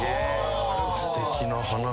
すてきな話。